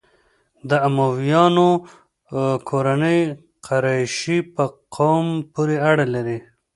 د امویانو کورنۍ قریشو په قوم پورې اړه لري.